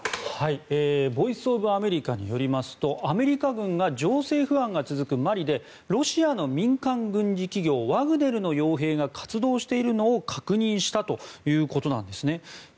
ボイス・オブ・アメリカによりますとアメリカ軍が情勢不安が続くマリでロシアの民間軍事企業ワグネルの傭兵が活動しているのを確認したということなんです。